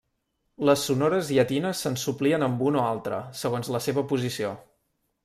Les sonores llatines se'n suplien amb un o altre segons la seva posició.